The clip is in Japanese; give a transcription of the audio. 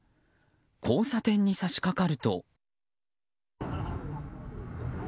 交差点に差し掛かると。